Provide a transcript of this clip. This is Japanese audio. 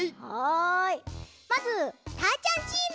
まずたーちゃんチーム。